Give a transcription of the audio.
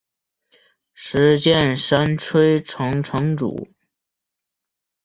石见山吹城城主。